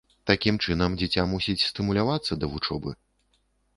Такім чынам дзіця мусіць стымулявацца да вучобы.